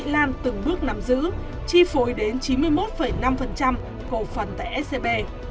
trương mỹ lan từng bước nắm giữ chi phối đến chín mươi một năm cầu phần tại scb